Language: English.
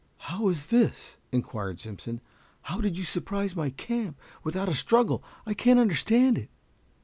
"How is this?" inquired Simpson. "How did you surprise my camp without a struggle? I can't understand it?"